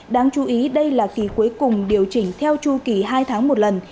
đáng chú ý đây là kỳ cuối cùng điều chỉnh theo chu kỳ hai tháng một lần